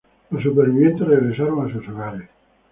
Los supervivientes regresaron a sus hogares.